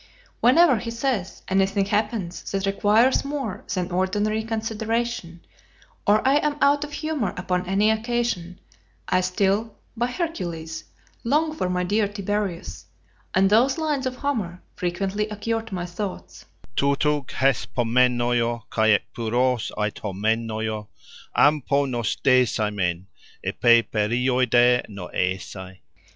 "Whenever," he says, "anything happens that requires more than ordinary consideration, or I am out of humour upon any occasion, I still, by Hercules! long for my dear Tiberius; and those lines of Homer frequently occur to my thoughts:" Toutou d' espomenoio kai ek pyros aithomenoio Ampho nostaesuimen, epei peri oide noaesai.